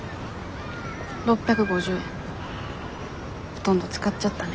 ほとんど使っちゃったね。